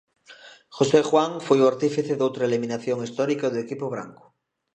José Juan foi o artífice doutra eliminación histórica do equipo branco.